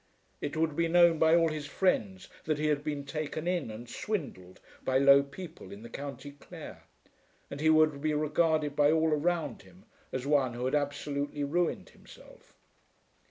It would be known by all his friends that he had been taken in and swindled by low people in the County Clare, and he would be regarded by all around him as one who had absolutely ruined himself.